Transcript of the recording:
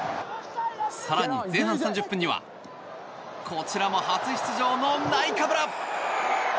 更に前半３０分にはこちらも初出場のナイカブラ。